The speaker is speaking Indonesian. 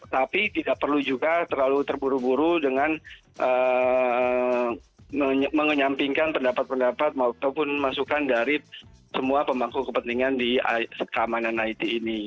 tapi tidak perlu juga terlalu terburu buru dengan menyampingkan pendapat pendapat maupun masukan dari semua pemangku kepentingan di keamanan it ini